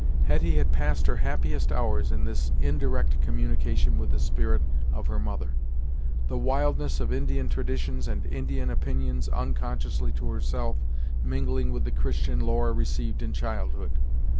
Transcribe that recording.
Hetty had passed her happiest hours in this indirect communion with the spirit of her mother; the wildness of Indian traditions and Indian opinions, unconsciously to herself, mingling with the Christian lore received in childhood.